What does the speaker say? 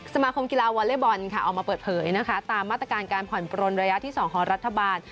สมาคมกีฬาวอเล็กบอลค่ะออกมาเปิดเผยนะคะตามมาตรการการผ่อนปลนระยะที่๒ของรัฐบาล